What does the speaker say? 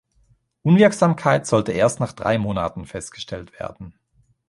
Unwirksamkeit sollte erst nach drei Monaten festgestellt werden.